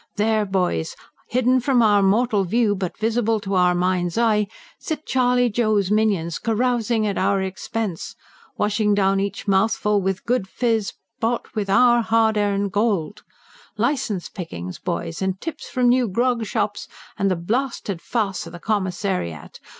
There, boys, hidden from our mortal view, but visible to our mind's eye, sit Charley Joe's minions, carousing at our expense, washing down each mouthful with good fizz bought with our hard earned gold. Licence pickings, boys, and tips from new grog shops, and the blasted farce of the Commissariat!